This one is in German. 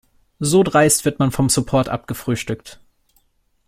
So dreist wird man vom Support abgefrühstückt.